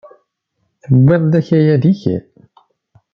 Tewwiḍ-d akayad-ik?